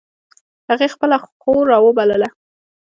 هغې خپله خور را و بلله